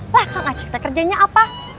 lah kang acek t kerjanya apa